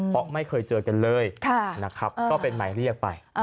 เพราะไม่เคยเจอกันเลยนะครับก็เป็นหมายเรียกไป